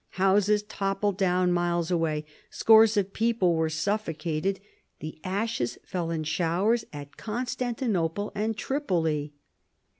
Houses toppled down miles away. Scores of people were suffocated. The ashes fell in showers at Constantinople and Tripoli.